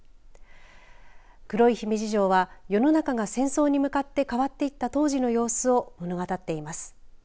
黒い姫路城は世の中が戦争に向かって変わっていった当時の様子を物語っています。